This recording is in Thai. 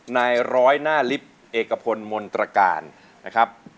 นายร้อยหน้าลิฟต์เอกพลมนตรการนะครับ